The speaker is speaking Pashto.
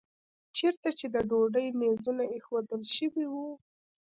چېرته چې د ډوډۍ میزونه ایښودل شوي وو.